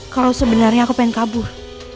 kalau sebenarnya aku ingin kabur